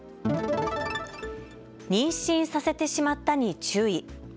妊娠させてしまったに注意。